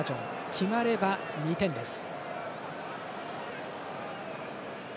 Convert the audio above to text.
決まれば、２点です。